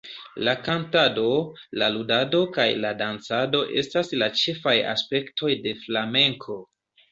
La kantado, la ludado kaj la dancado estas la ĉefaj aspektoj de flamenko.